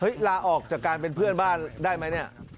ลาออกจากการเป็นเพื่อนบ้านได้ไหมเนี่ย